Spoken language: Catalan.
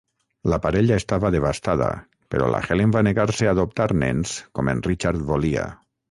La parella estava devastada, però la Helen va negar-se a adoptar nens com en Richard volia.